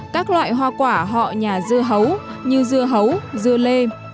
các loại hoa quả họ nhà dưa hấu như dưa hấu dưa lê